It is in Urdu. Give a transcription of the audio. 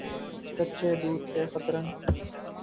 کچے دودھ سے خطرن